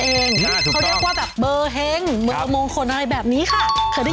นั่นเองเขาเรียกว่าเบอร์เฮ้งเบอร์มงคลอะไรแบบนี้ค่ะเคยได้ยินมั้ยคะ